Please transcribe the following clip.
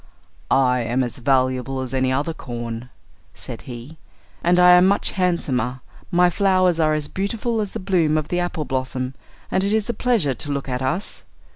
"I am as valuable as any other corn," said he, "and I am much handsomer; my flowers are as beautiful as the bloom of the apple blossom, and it is a pleasure to look at us.